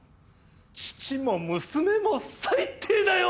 父も娘も最低だよ！